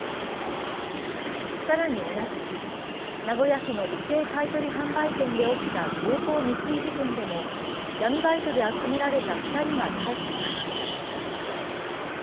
更に同じ日、名古屋市の時計買い取り販売店で起きた強盗未遂事件でも、闇バイトで集められた２人が逮捕されました。